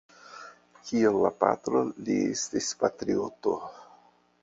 Kiel lia patro, li estis patrioto.